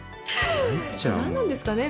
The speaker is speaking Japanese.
何なんですかね？